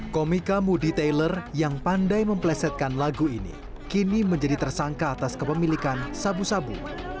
komika moody taylor yang pandai memplesetkan lagu ini kini menjadi tersangka atas kepemilikan sabu sabu